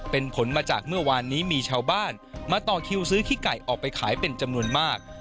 เป็นผลมาจากเมื่อวานนี้มีชาวบ้านมาต่อคิวซื้อขี้ไก่ออกไปขายเป็นจำนวนมาก